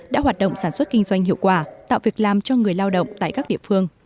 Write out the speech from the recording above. đã hoạt động sản xuất kinh doanh hiệu quả tạo việc làm cho người lao động tại các địa phương